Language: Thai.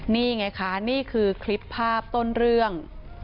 นี่ไงคะนี่คือคลิปภาพต้นเรื่อง